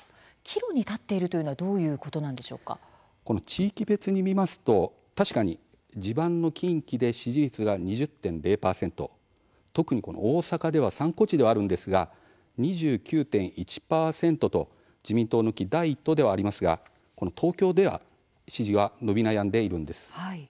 岐路に立っているというのは地域別に見ますと確かに地盤の近畿で支持率が２０．０％特に大阪では参考値ではあるんですが２９．１％と自民党を抜き第１党ではありますが、東京では支持は伸び悩んでいるんです。